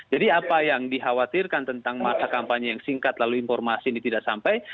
jadi apa yang dikhawatirkan tentang masa kampanye yang singkat lalu informasi ini tidak sampai